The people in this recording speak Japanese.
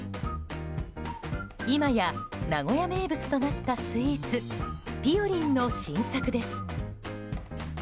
今や名古屋名物となったスイーツ、ぴよりんの新作です。